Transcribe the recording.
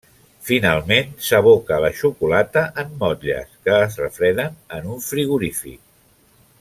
Finalment, s’aboca la xocolata en motlles, que es refreden en un frigorífic.